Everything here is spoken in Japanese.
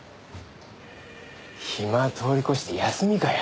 暇を通り越して休みかよ。